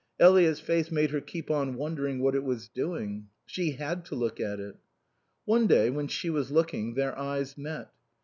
Eliot's face made her keep on wondering what it was doing. She had to look at it. One day, when she was looking, their eyes met.